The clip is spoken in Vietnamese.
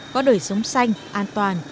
có đời sống xanh an toàn